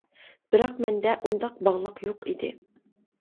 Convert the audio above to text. بىراق مەندە ئۇنداق باغلاق يوق ئىدى.